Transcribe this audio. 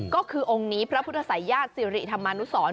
ก็คือองค์นี้พระพุทธศัยญาติสิริธรรมานุสร